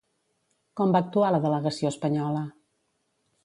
Com va actuar la delegació espanyola?